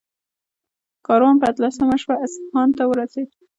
کاروان په اتلسمه شپه اصفهان ته ورسېد.